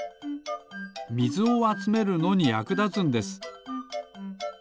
みずをあつめるのにやくだつんです。